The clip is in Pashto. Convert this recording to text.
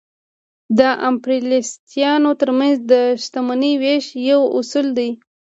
د امپریالیستانو ترمنځ د شتمنۍ وېش یو اصل دی